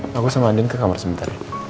ma aku sama andien ke kamar sebentar